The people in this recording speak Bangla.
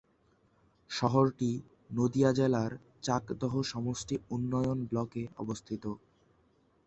শহরটি নদিয়া জেলার চাকদহ সমষ্টি উন্নয়ন ব্লকে অবস্থিত।